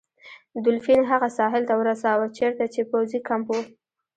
دولفین هغه ساحل ته ورساوه چیرته چې پوځي کمپ و.